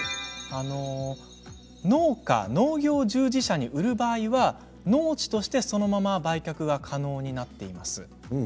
農業従事者に売る場合は農地としてそのまま売却可能になっています。